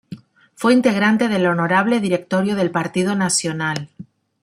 Fue integrante del Honorable Directorio del Partido Nacional.